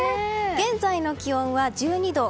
現在の気温は１２度。